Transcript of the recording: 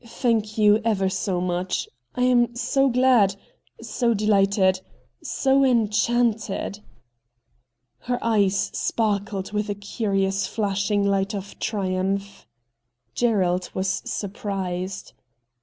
Thank you, ever so much. I am so glad — so dehghted — so enchanted !' Her eyes sparkled with a curious flashing light of triumph. Gerald was surprised.